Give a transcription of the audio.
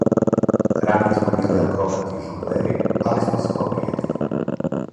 Раније смо били акробати и жонглери, али смо се повриједили.